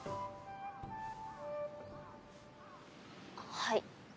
はい。